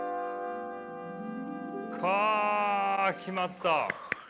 かあ決まった！